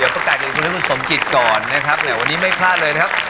โอกาสให้คุณท่านสมจิตก่อนนะครับวันนี้ไม่พลาดเลยนะครับ